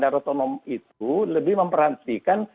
daerah otonom itu lebih memperhatikan